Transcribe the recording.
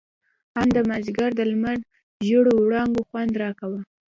ان د مازديګر د لمر زېړو وړانګو خوند راکاوه.